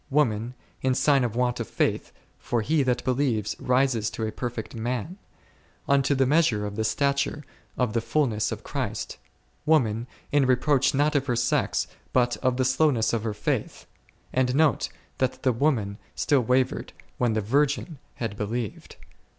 Woman, in sign of want of faith, for he that believes rises to a perfect man, unto the measure of the stature of the fulness of Christ ; woman, in reproach not of her sex, but of the slowness of her faith ; and note, that the woman still wavered, when the virgin had believed.